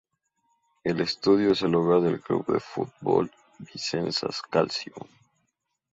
El estadio es el hogar del club de fútbol Vicenza Calcio.